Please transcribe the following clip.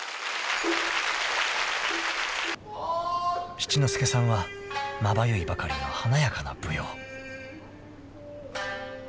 ［七之助さんはまばゆいばかりの華やかな舞踊］